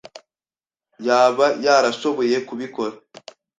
yaba yarashoboye kubikora.